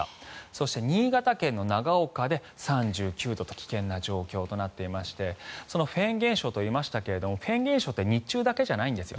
そして新潟県の長岡で３９度と危険な状況となっていましてフェーン現象と言いましたがフェーン現象って日中だけじゃないんです。